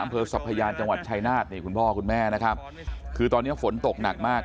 อำเภอสัพยานจังหวัดชายนาฏนี่คุณพ่อคุณแม่นะครับคือตอนนี้ฝนตกหนักมาก